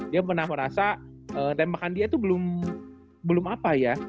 dia pernah merasa tembakan dia itu belum apa ya